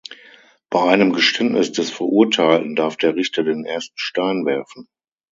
Bei einem Geständnis des Verurteilten darf der Richter den ersten Stein werfen.